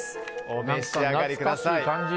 お召し上がりください。